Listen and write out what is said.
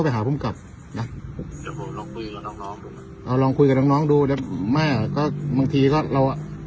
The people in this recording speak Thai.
เดี๋ยวคุยกันที่ห้องผู้กับได้ปะล่ะ